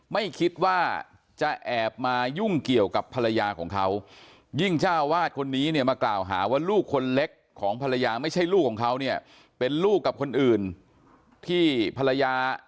ไม่คิดว่าจะแอบมายุ่งเกี่ยวกับภรรยาของเขา